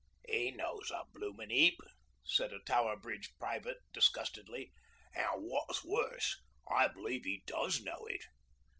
''E knows a bloomin' heap,' said a Tower Bridge private disgustedly; 'an' wot's more, I believe 'e does know it.'